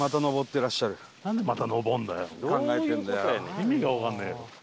意味がわかんねえよ。